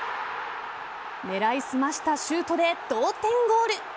狙い澄ましたシュートで同点ゴール。